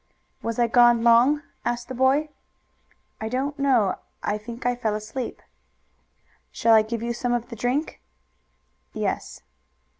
"Was I gone long?" asked the boy. "I don't know. I think I fell asleep." "Shall I give you some of the drink?" "Yes."